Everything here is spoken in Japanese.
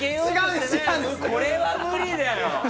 これは無理だよ！